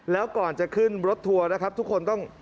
แล้วก่อนจะขึ้นรถทัวร์นะครับทุกคนต้อง